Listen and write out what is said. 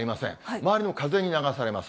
周りの風に流されます。